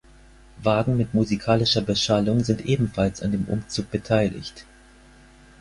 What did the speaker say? Wagen mit musikalischer Beschallung sind ebenfalls an dem Umzug beteiligt.